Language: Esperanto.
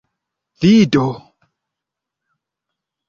vido